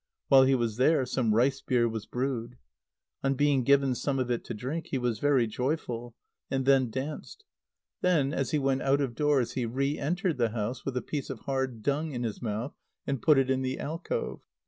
While he was there, some rice beer was brewed. On being given some of it to drink, he was very joyful, and then danced. Then, as he went out of doors, he re entered the house with a piece of hard dung in his mouth, and put it in the alcove.